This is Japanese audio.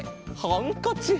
ハンカチ。